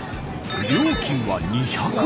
料金は２００円。